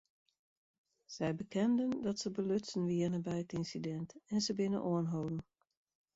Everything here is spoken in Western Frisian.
Sy bekenden dat se belutsen wiene by it ynsidint en se binne oanholden.